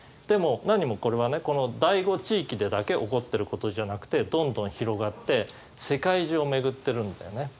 でも何もこれはねこの醍醐地域でだけ起こってることじゃなくてどんどん広がって世界中を巡ってるんだよね。